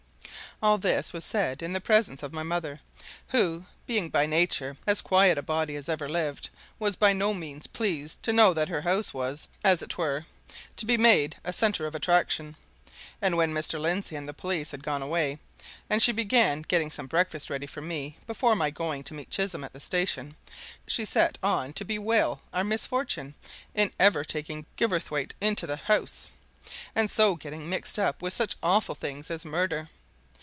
All this was said in the presence of my mother, who, being by nature as quiet a body as ever lived, was by no means pleased to know that her house was, as it were, to be made a centre of attraction. And when Mr. Lindsey and the police had gone away, and she began getting some breakfast ready for me before my going to meet Chisholm at the station, she set on to bewail our misfortune in ever taking Gilverthwaite into the house, and so getting mixed up with such awful things as murder.